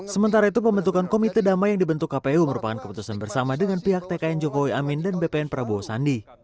sementara itu pembentukan komite damai yang dibentuk kpu merupakan keputusan bersama dengan pihak tkn jokowi amin dan bpn prabowo sandi